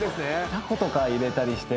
タコとか入れたりして。